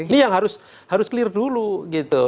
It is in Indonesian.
ini yang harus clear dulu gitu